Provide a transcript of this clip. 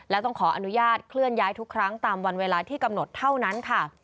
และต้องขออนุญาตเคลื่อนย้ายทุกครั้งตามวันเวลาที่กำหนดเท่านั้นค่ะ